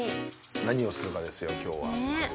何をするかですよ今日はまず。